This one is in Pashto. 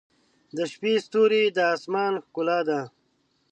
• د شپې ستوري د آسمان ښکلا ده.